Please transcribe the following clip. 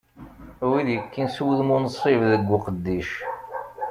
Wid yekkin s wudem unsib deg uqeddic.